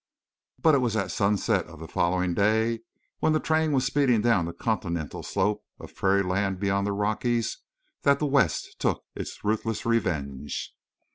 But it was at sunset of the following day, when the train was speeding down the continental slope of prairie land beyond the Rockies, that the West took its ruthless revenge.